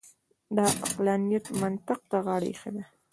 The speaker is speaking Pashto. د عقلانیت منطق ته غاړه اېښې ده.